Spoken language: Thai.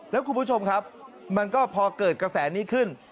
แล้วคุณผู้ชมครับมันก็พอเกิดกระแสนี้ขึ้น